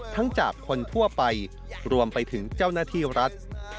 จากคนทั่วไปรวมไปถึงเจ้าหน้าที่รัฐ